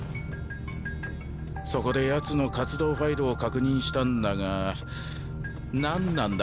そこでヤツの活動ファイルを確認したんだが何なんだ？